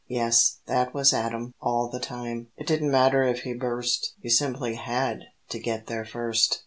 Yes, that was Adam, all the time. It didn't matter if he burst, He simply had to get there first.